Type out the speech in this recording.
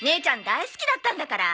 大好きだったんだから。